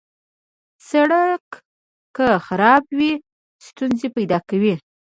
سړک که خراب وي، ستونزې پیدا کوي.